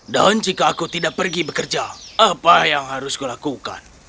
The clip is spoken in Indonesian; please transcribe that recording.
dan jika aku tidak pergi bekerja apa yang harus kulakukan